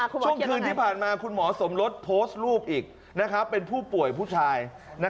ช่วงคืนที่ผ่านมาคุณหมอสมรสโพสต์รูปอีกเป็นผู้ป่วยผู้ชาย